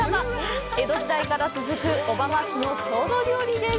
江戸時代から続く小浜市の郷土料理です。